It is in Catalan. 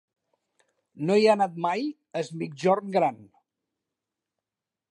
No he anat mai a Es Migjorn Gran.